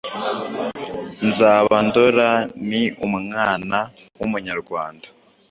Nzaba ndora ni umwana w’Umunyarwanda!